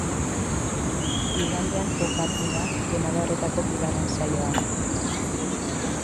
Igandean jokatu da finalaurrekoetako bigarren saioa.